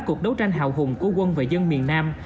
cuộc đấu tranh hào hùng của quân và dân miền nam